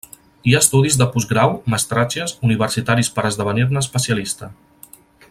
Hi ha estudis de postgrau, mestratges, universitaris per esdevenir-ne especialista.